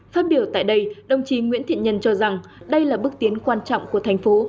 phát biểu tại đây đồng chí nguyễn thiện nhân cho rằng đây là bước tiến quan trọng của thành phố